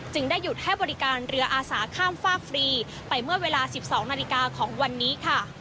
ได้หยุดให้บริการเรืออาสาข้ามฝากฟรีไปเมื่อเวลา๑๒นาฬิกาของวันนี้ค่ะ